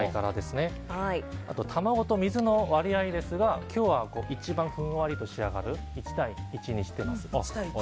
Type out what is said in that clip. あと、卵と水の割合ですが今日は一番ふんわりと仕上がる１対１にしてます。